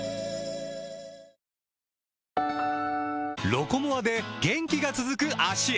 「ロコモア」で元気が続く脚へ！